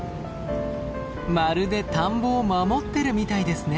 まるで田んぼを守ってるみたいですね。